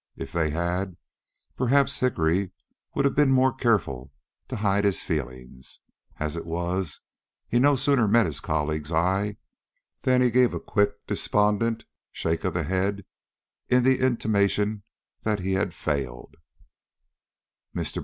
If they had, perhaps Hickory would have been more careful to hide his feelings. As it was, he no sooner met his colleague's eye than he gave a quick, despondent shake of the head in intimation that he had failed. Mr.